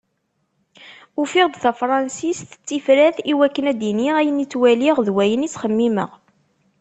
Ufiɣ-d tafransist d tifrat i wakken ad d-iniɣ ayen i ttwaliɣ d wayen i txemmimeɣ.